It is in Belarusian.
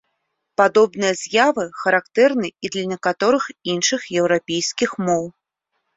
Падобныя з'явы характэрны і для некаторых іншых еўрапейскіх моў.